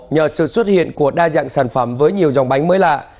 nhờ sự xuất hiện của đa dạng sản phẩm với nhiều dòng bánh mới lạ